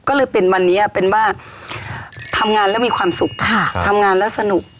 ก็เลยเป็นวันนี้เป็นว่าทำงานแล้วมีความสุขค่ะทำงานแล้วสนุก